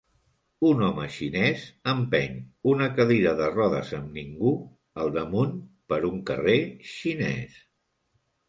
Un home xinès empeny una cadira de rodes amb ningú al damunt per un carrer xinès.